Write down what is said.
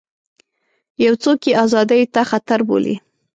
یو څوک یې ازادیو ته خطر بولي.